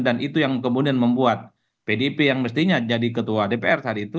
dan itu yang kemudian membuat pdp yang mestinya jadi ketua dpr saat itu